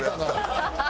ハハハハ！